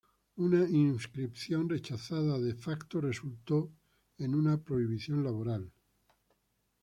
Una inscripción rechazada de facto resultó en una prohibición laboral.